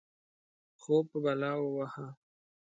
خوب په بلا ووهه.